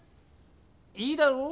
いいだろう？